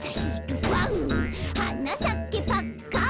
「はなさけパッカン」